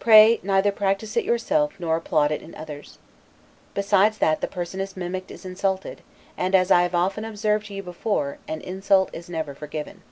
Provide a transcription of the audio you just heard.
Pray, neither practice it yourself, nor applaud it in others. Besides that the person mimicked is insulted; and, as I have often observed to you before, an insult is never forgiven.